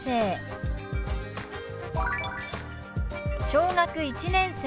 「小学１年生」。